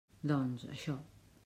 Doncs, això.